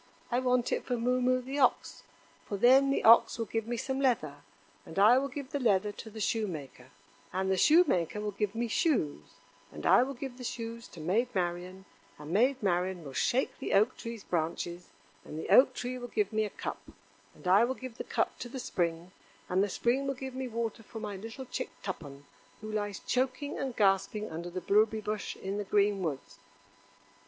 I want it for Moo moo, the ox; for then the ox will give me some leather, and I will give the leather to the Shoemaker, and the Shoemaker will give me shoes, and I will give the shoes to Maid Marian, and Maid Marian will shake the Oak tree's branches, and the Oak tree will give me a cup, and I will give the cup to the Spring, and the Spring will give me water for my little chick Tuppen, who lies choking and gasping under the blueberry bush in the green woods."